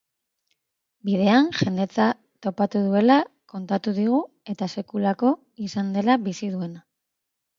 Bidean jendetza topatu duela kontatu digu eta sekulako izan dela bizi duena.